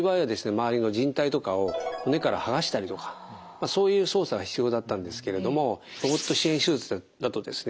周りのじん帯とかを骨から剥がしたりとかそういう操作が必要だったんですけれどもロボット支援手術だとですね